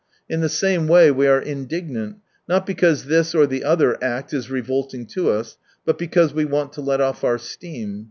In the same way we are indignant, not because this or the other act is revolting to us, but because we want to let off our steam.